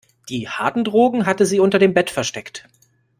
Die harten Drogen hatte sie unter dem Bett versteckt.